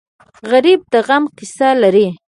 غریب د غم قصه لري